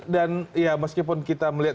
dan ya meskipun kita melihat